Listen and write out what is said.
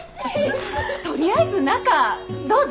とりあえず中どうぞ。